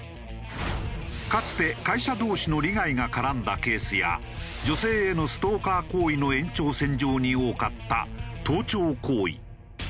かつて会社同士の利害が絡んだケースや女性へのストーカー行為の延長線上に多かった盗聴行為。